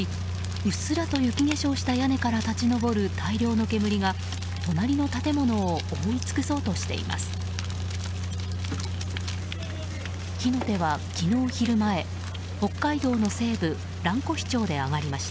うっすらと雪化粧した屋根から立ち上る大量の煙が、隣の建物を覆い尽くそうとしています。